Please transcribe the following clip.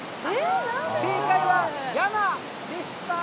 正解は、「やな」でした。